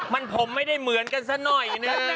มันผมไม่ได้เหมือนกันสักหน่อยหนึ่ง